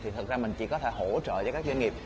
thì thật ra mình chỉ có thể hỗ trợ cho các doanh nghiệp